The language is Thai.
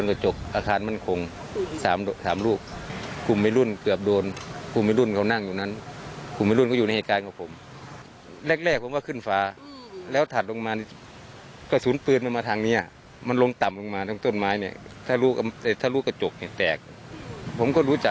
ก็ทำให้พศพี่รบิพธิ์ไปชอบบุคคลท่านพี่หลังแล้วพี่กลัวทำให้หลักล่ะ